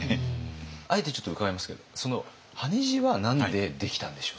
あえてちょっと伺いますけど羽地は何でできたんでしょう。